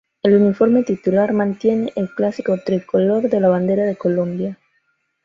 El uniforme titular mantiene el clásico tricolor de la Bandera de Colombia.